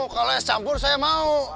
kalau es campur saya mau